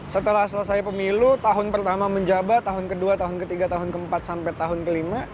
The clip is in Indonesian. setelah selesai pemilu tahun pertama menjabat tahun ke dua tahun ke tiga tahun ke empat sampai tahun ke lima